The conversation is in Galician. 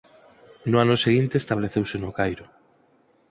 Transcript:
No ano seguinte estabeleceuse no Cairo.